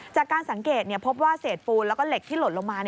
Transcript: จากการสังเกตพบว่าเศษปูนแล้วก็เหล็กที่หล่นลงมา